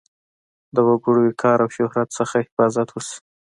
د وګړو وقار او شهرت څخه حفاظت وشي.